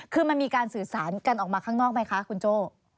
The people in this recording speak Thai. คือมันมีการสื่อสารกันออกมาข้างนอกไหมคะคุณโจ้